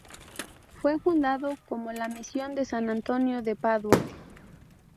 Fue fundado como la misión de San Antonio de Padua.